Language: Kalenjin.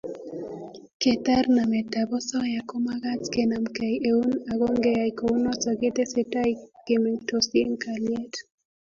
Ketar nametab osoya ko magat kenamkei eun ago ngeyai kounoto ketesetai kemengtosi eng kalyet